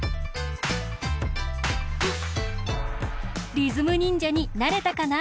リズムにんじゃになれたかな？